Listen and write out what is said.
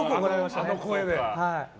あの声で。